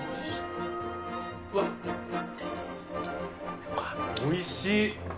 うわっ、おいしい。